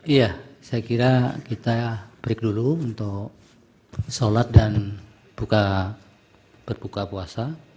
iya saya kira kita break dulu untuk sholat dan berbuka puasa